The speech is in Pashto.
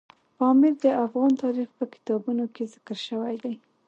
پامیر د افغان تاریخ په کتابونو کې ذکر شوی دی.